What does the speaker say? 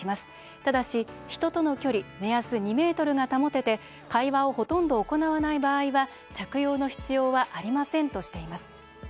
ただし、人との距離めやす２ｍが保てて会話をほとんど行わない場合は着用の必要はありませんとしています。